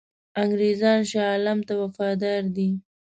انګرېزان شاه عالم ته وفادار دي.